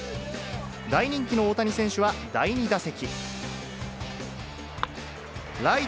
大人気の大谷選手は第２打席。